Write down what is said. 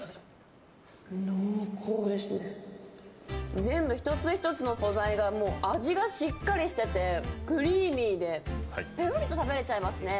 全部１つ１つの素材が味がしっかりしててクリーミーでぺろりと食べれちゃいますね。